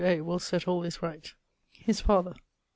A. will set all this right[FF]. <_His father.